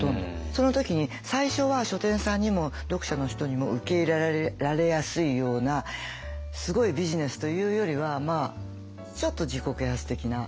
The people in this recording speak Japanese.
その時に最初は書店さんにも読者の人にも受け入れられやすいようなすごいビジネスというよりはちょっと自己啓発的な。